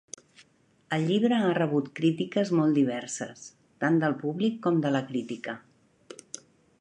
El llibre ha rebut crítiques molt diverses, tant del públic com de la crítica.